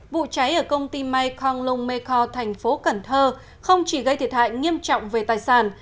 vụ cháy ở công ty may konglung mekho thành phố cần thơ không chỉ gây thiệt hại nghiêm trọng về tài sản